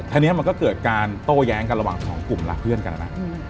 ทีนี้มันก็เกิดการโต้แย้งกันระหว่างสองกลุ่มหลักเพื่อนกันแล้วนะ